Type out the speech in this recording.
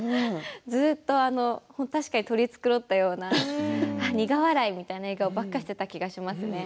確かに取り繕ったような笑顔、苦笑いみたいな笑顔ばかりしていたような気がしますね。